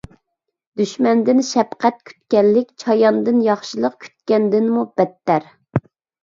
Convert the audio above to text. دۈشمەندىن شەپقەت كۈتكەنلىك چاياندىن ياخشىلىق كۈتكەندىنمۇ بەتتەر.